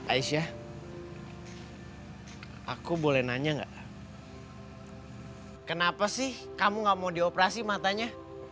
aisyah aku boleh nanya enggak kenapa sih kamu nggak mau dioperasi matanya